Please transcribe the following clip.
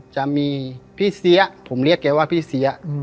จะมีพี่เสียผมเรียกแกว่าพี่เสีย